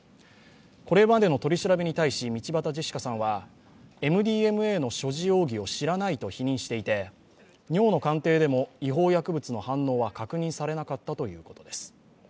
これまでの取り調べに対し道端ジェシカさんはＭＤＭＡの所持容疑を知らないと否認していて尿の鑑定でも違法薬物の反応は確認されなかったということです。